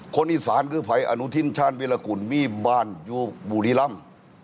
คนอีสานคือภัยอนุทินชาญวิรากุลมีบ้านอยู่บุรีรำ